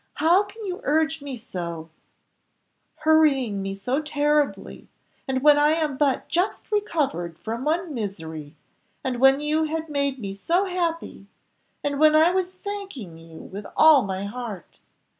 "How can you urge me so, hurrying me so terribly, and when I am but just recovered from one misery, and when you had made me so happy, and when I was thanking you with all my heart."